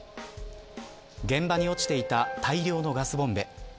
現場に落ちていた大量のガスボンベ。